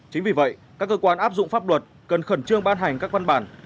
chính vì vậy các cơ quan áp dụng pháp luật cần khẩn trương ban hành các văn bản